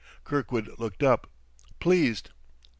Kirkwood looked up, pleased.